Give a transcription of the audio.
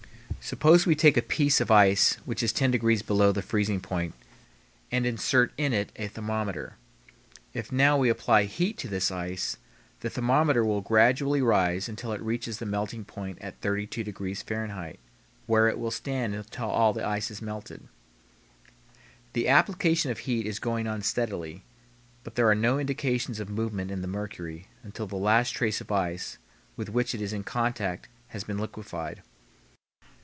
Suppose we take a piece of ice which is 10 degrees below the freezing point and insert in it a thermometer. If now we apply heat to this ice the thermometer will gradually rise until it reaches the melting point at 32 degrees Fahrenheit, where it will stand until all the ice is melted. The application of heat is going on steadily, but there are no indications of movement in the mercury until the last trace of ice with which it is in contact has been liquefied.